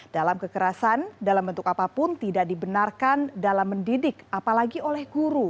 dalam kekerasan dalam bentuk apapun tidak dibenarkan dalam mendidik apalagi oleh guru